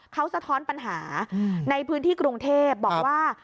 เขาสะท้อนปัญหาในพื้นที่กรุงเทพบอกว่า